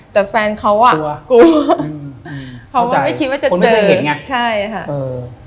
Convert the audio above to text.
แต่แฟนเขาอ่ะกลัวเพราะว่าไม่คิดว่าจะเจอคนไม่เคยเห็นไงใช่ค่ะเออ